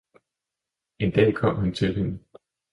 En dag kom han til hende.